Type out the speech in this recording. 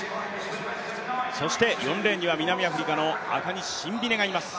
そして２レーンには南アフリカのアカニ・シンビネがいます。